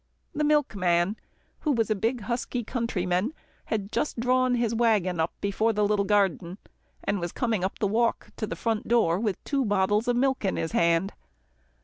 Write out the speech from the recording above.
The milkman, who was a big husky countryman, had just drawn his wagon up before the little garden, and was coming up the walk to the front door with two bottles of milk in his hand.